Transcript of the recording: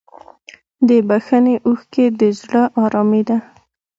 د بښنې اوښکې د زړه ارامي ده.